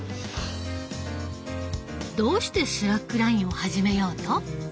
どうしてスラックラインを始めようと？